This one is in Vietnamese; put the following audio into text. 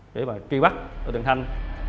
để mà truy bắt đối tượng thanh